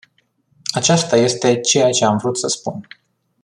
Aceasta este ceea ce am vrut să spun.